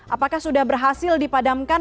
apakah sudah berhasil dipadamkan